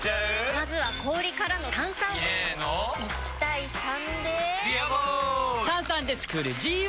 まずは氷からの炭酸！入れの１：３で「ビアボール」！